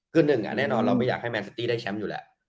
คือหนึ่งแน่นอนเราไม่อยากให้แมนซิตี้ได้แชมป์อยู่แล้ว